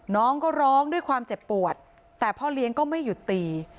น้องก็ร้องด้วยความเจ็บปวดแต่พ่อเลี้ยงก็ไม่หยุดตี